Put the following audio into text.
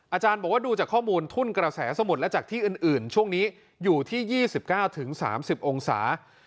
อาจารย์บอกว่าดูจากข้อมูลทุ่นกระแสสมุทรและจากที่อื่นช่วงนี้อยู่ที่๒๙๓๐องศา